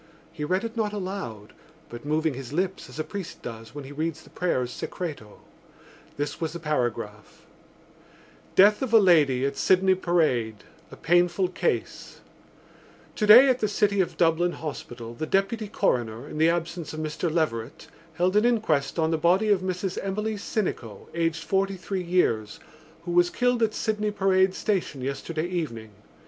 He read it not aloud, but moving his lips as a priest does when he reads the prayers Secreto. This was the paragraph: DEATH OF A LADY AT SYDNEY PARADE A PAINFUL CASE Today at the City of Dublin Hospital the Deputy Coroner (in the absence of Mr Leverett) held an inquest on the body of Mrs Emily Sinico, aged forty three years, who was killed at Sydney Parade Station yesterday evening.